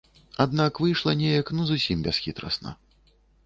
Аднак выйшла неяк ну зусім бясхітрасна.